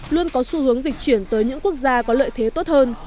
luôn có xu hướng dịch chuyển tới những quốc gia có lợi thế tốt hơn